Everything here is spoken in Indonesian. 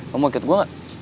lo mau kekit gua gak